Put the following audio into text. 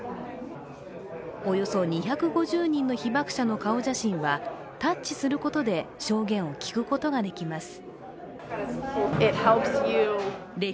およそ２５０人の被爆者の顔写真はタッチすることで証言を聞くことができます。